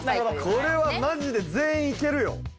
これはマジで全員いけるよ。